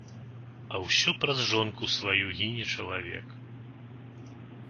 А ўсё праз жонку сваю гіне чалавек.